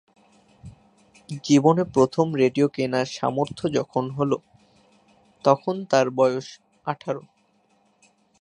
জীবনে প্রথম রেডিও কেনার সামর্থ্য যখন হলো, তখন তার বয়স আঠারো।